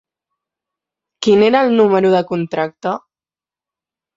Quin era el número de contracte?